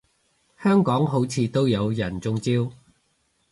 香港好似都有人中招